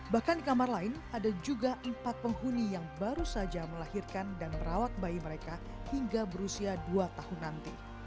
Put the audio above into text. bahkan di kamar lain ada juga empat penghuni yang baru saja melahirkan dan merawat bayi mereka hingga berusia dua tahun nanti